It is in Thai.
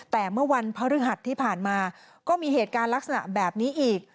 แต่เมื่อวันพฤหัสที่ผ่านมาก็มีเหตุการณ์ลักษณะแบบนี้อีก